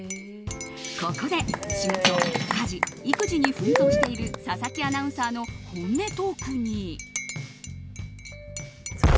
ここで仕事、家事、育児に奮闘している佐々木アナウンサーの本音トークに。